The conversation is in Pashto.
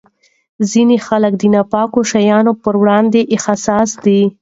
ځینې خلک د ناپاکو شیانو پر وړاندې حساس دي.